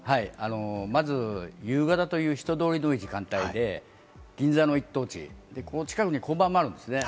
まず夕方という人通りの多い時間帯で、銀座の一等地で、この近くに交番もあるんです。